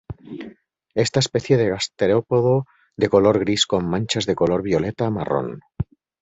Esta especie de gasterópodo de color gris con manchas de color violeta-marrón.